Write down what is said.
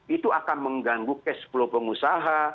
itu akan mengganggu cash flow pengusaha